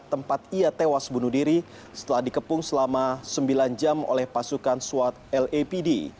tempat ia tewas bunuh diri setelah dikepung selama sembilan jam oleh pasukan swat lapd